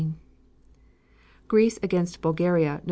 Greece against Bulgaria, Nov.